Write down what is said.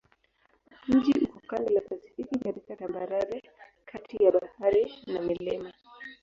Mji uko kando la Pasifiki katika tambarare kati ya bahari na milima.